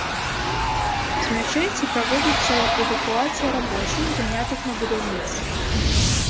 З мячэці праводзіцца эвакуацыя рабочых, занятых на будаўніцтве.